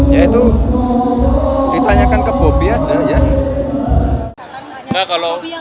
ya itu ditanyakan ke bobi aja ya